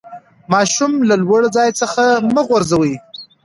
ماشوم له لوړي ځای څخه مه غورځوئ.